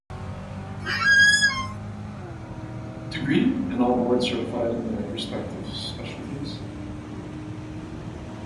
Degree, and all are board certified in their respective specialties.